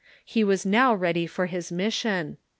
He was now ready for his mission.